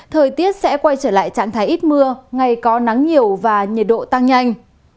thời tiết sẽ quay trở lại trạng thái ít mưa ngày có nắng nhiều và nhiệt độ tăng nhanh